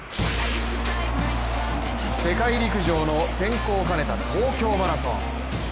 世界陸上の選考を兼ねた東京マラソン。